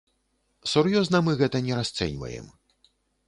Сур'ёзна мы гэта не расцэньваем.